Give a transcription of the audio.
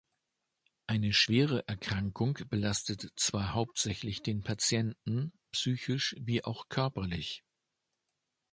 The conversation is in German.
Eine schwere Erkrankung belastet zwar hauptsächlich den Patienten, psychisch wie auch körperlich.